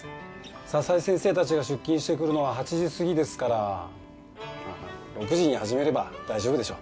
佐々井先生たちが出勤してくるのは８時過ぎですからまあ６時に始めれば大丈夫でしょう。